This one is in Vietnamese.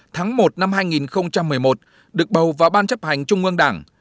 tháng một năm hai nghìn một mươi một được bầu vào ban chấp hành trung ương đảng